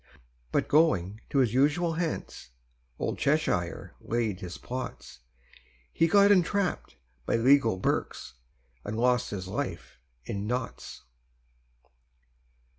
But going to his usual Hants, Old Cheshire laid his plots: He got entrapp'd by legal Berks, And lost his life in Notts.